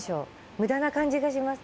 無駄な感じがします。